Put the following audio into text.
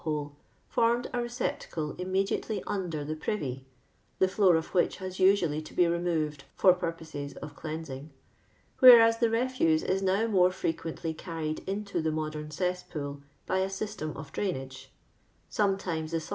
hole formed a receptacle immediately under the privy (the floor of wliich has usually to be removed for pur^ioses of cleansing), whereas the refuse is now more frequently carried into the modem cesspool by a system of drainage, private houses.